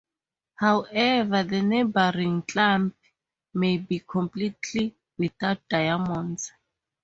However, the neighboring clump may be completely without diamonds.